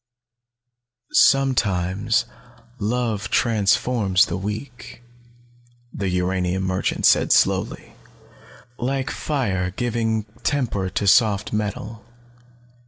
"Sometimes love transforms the weak," the uranium merchant said slowly. "Like fire giving temper to soft metal.